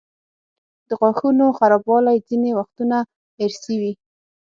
د غاښونو خرابوالی ځینې وختونه ارثي وي.